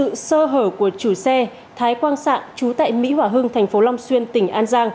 lợi dụng sự sơ hở của chủ xe thái quang sạng chú tại mỹ hỏa hưng thành phố long xuyên tỉnh an giang